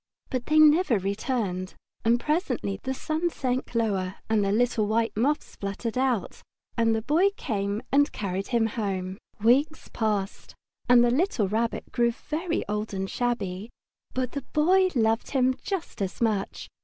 But they never returned, and presently the sun sank lower and the little white moths fluttered out, and the Boy came and carried him home. Weeks passed, and the little Rabbit grew very old and shabby, but the Boy loved him just as much.